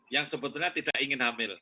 yang sebetulnya tidak ingin hamil